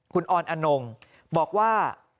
คุณออนอนงบอกว่า